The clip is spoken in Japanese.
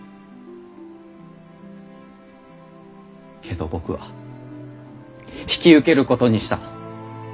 けど僕は引き受けることにした。